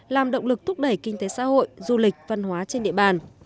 làm động lực thúc đẩy kinh tế xã hội du lịch văn hóa trên địa bàn